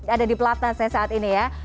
ada di pelatang saya saat ini ya